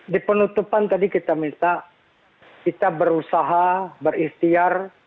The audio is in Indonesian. di penutupan tadi kita minta kita berusaha berikhtiar